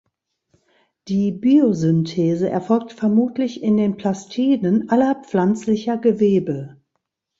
Die Biosynthese erfolgt vermutlich in den Plastiden aller pflanzlicher Gewebe.